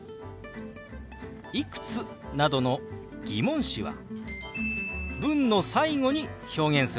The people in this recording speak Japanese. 「いくつ？」などの疑問詞は文の最後に表現するんでしたね。